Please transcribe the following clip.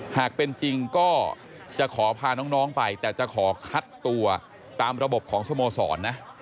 หากเป็นจริงก็จะขอพาน้องไปแต่จะขอคัดตัวตามระบบของสโมสรนะ